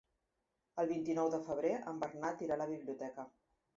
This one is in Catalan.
El vint-i-nou de febrer en Bernat irà a la biblioteca.